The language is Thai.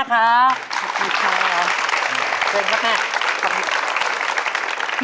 เยี่ยม